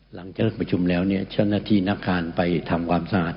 หลังจากเลิกประชุมแล้วเนี่ยเจ้าหน้าที่นักการไปทำความสะอาด